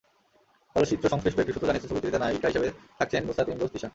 চলচ্চিত্রসংশ্লিষ্ট একটি সূত্র জানিয়েছে, ছবিটিতে নায়িকা হিসেবে থাকছেন নুসরাত ইমরোজ তিশা।